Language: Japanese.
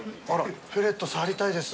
フェレット触りたいです。